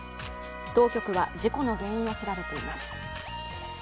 当局は事故の原因を調べています。